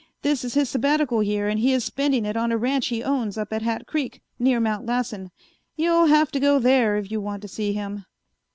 This is his sabbatical year and he is spending it on a ranch he owns up at Hat Creek, near Mount Lassen. You'll have to go there if you want to see him."